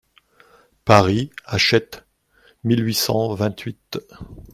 Paris, Hachette, mille huit cent vingt-huit.